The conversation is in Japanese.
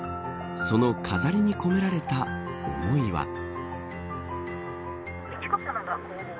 その飾りに込められた思いは。